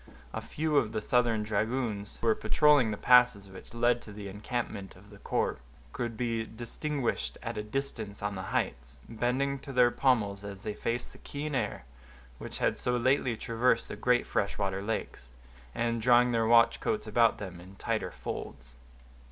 A few of the Southern dragoons, who were patrolling the passes which led to the encampment of the corps, could be distinguished at a distance on the heights, bending to their pommels as they faced the keen air which had so lately traversed the great fresh water lakes, and drawing their watch coats about them in tighter folds.